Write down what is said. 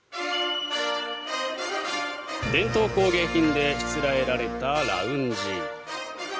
伝統工芸品でしつらえられたラウンジ。